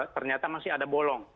ternyata masih ada bolong